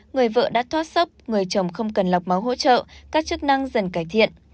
người vợ đã thoát sốc người chồng không cần lọc máu hỗ trợ các chức năng dần cải thiện